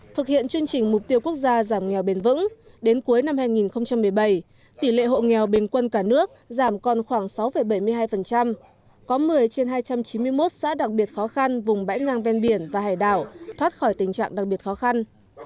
thực hiện chương trình mục tiêu quốc gia giảm nghèo bền vững đến cuối năm hai nghìn một mươi bảy tỷ lệ hộ nghèo bình quân cả nước giảm còn khoảng sáu bảy mươi hai có một mươi trên hai trăm chín mươi một xã đặc biệt khó khăn vùng bãi ngang ven biển và hải đảo thoát khỏi tình trạng đặc biệt khó khăn